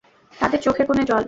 তাদের চোখের কোণে জল।